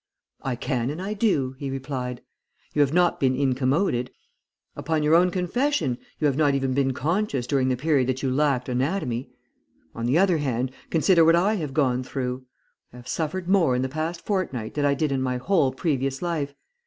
"'I can and I do,' he replied. 'You have not been incommoded. Upon your own confession you have not even been conscious during the period that you lacked anatomy. On the other hand, consider what I have gone through! I have suffered more in the past fortnight than I did in my whole previous life.